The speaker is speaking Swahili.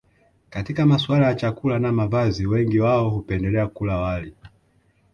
Katika masuala ya chakula na mavazi wengi wao hupendelea kula wali